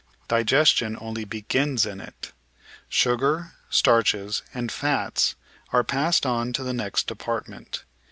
Digestion only begins in it. Sugar, starches, and fats are passed on to the next department.